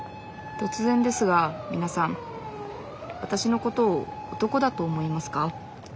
とつぜんですがみなさんわたしのことを男だと思いますか？